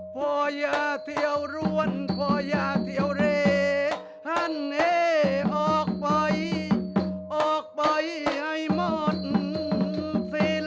เพราะอย่าเที่ยวร่วนเพราะอย่าเที่ยวเล่ท่านเองออกไปออกไปให้หมดสิ้น